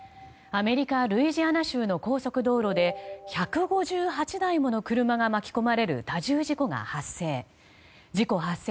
アメリカ・ルイジアナ州の高速道路で１５８台もの車が巻き込まれる多重事故が発生。